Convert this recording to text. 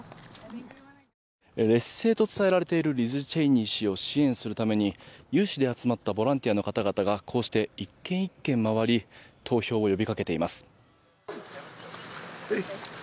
劣勢と伝えられているリズ・チェイニー氏を支援するために有志で集まったボランティアの方々がこうして１軒１軒回り投票を呼び掛けています。